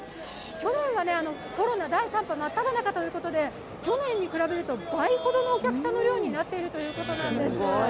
去年はコロナ第３波真っただ中ということで去年に比べると倍ほどのお客さんの量になっているということなんです。